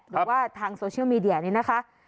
หรือว่าทางโซเชียลมีเดียนี้นะคะ